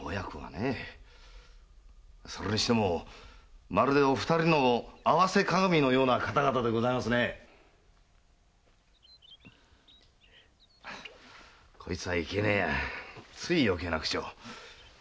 それにしてもまるでお二人の合わせ鏡のような方々ですね。こいつはいけねえやついよけいな口を。